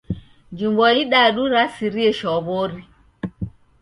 Juma idadu rasirie shwaw'ori.